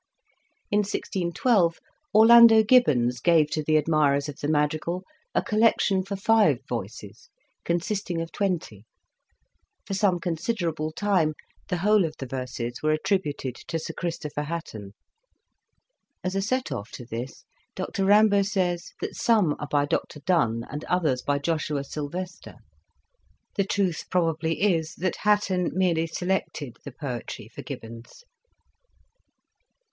In 1612, Orlando Gibbons gave to the ad mirers of the madrigal a collection for five voices, consisting of twenty ; for some consider able time the whole of the verses were attributed to Sir Christopher Hatton : as a set off to this, Dr Rimbault says, that some are by Dr Donne and others by Joshua Sylvester ; the truth probably is that Hatton merely selected the poetry for Gibbons.